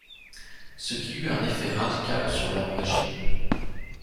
Ce qui eut un effet radical sur leur régime.